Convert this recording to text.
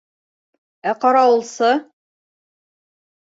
Ә ҡарауылсы...